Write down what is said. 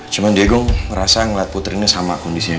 cuman diego merasa ngeliat putri ini sama kondisinya